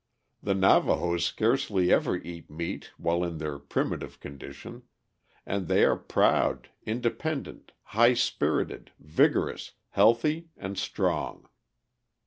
The Navahos scarcely ever eat meat while in their primitive condition, and they are proud, independent, high spirited, vigorous, healthy, and strong.